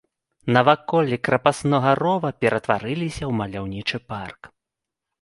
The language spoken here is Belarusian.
Наваколлі крапаснога рова ператварыліся ў маляўнічы парк.